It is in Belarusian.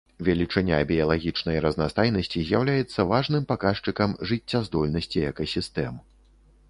Велічыня біялагічнай разнастайнасці з'яўляецца важным паказчыкам жыццяздольнасці экасістэм.